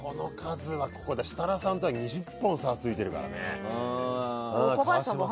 設楽さんとは２０本も差がついてるからね。